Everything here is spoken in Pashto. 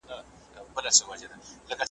نه په عقل نه په فکر کي جوړیږي ,